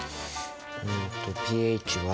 うんとｐＨは。